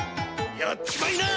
やっちまいな！」。